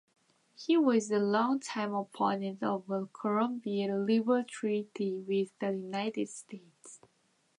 He was a long-time opponent of the Columbia River Treaty with the United States.